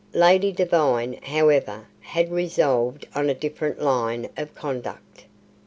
Lady Devine, however, had resolved on a different line of conduct.